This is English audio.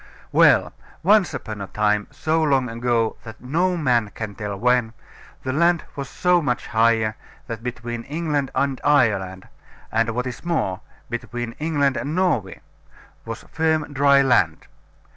Well, once upon a time, so long ago that no man can tell when, the land was so much higher, that between England and Ireland, and, what is more, between England and Norway, was firm dry land.